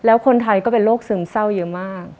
แล้วคนไทยก็เป็นโรคซึมเศร้าเยอะมาก